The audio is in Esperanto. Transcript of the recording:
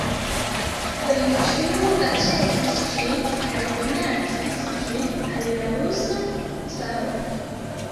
Riĉulo aĉetis ĝin kaj donacis ĝin al la rusa caro.